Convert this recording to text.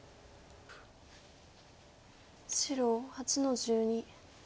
白８の十二。